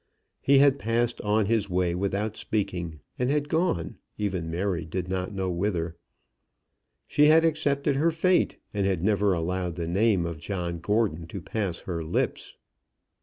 He had passed on his way without speaking, and had gone even Mary did not know whither. She had accepted her fate, and had never allowed the name of John Gordon to pass her lips.